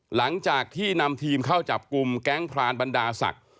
หลังจากที่นำทีมเข้าจับกลุ่มแก๊งพรานบรรดาศักดิ์